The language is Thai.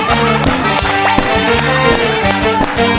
เต้นสักพักนึงก่อน